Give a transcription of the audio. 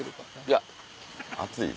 いや暑い。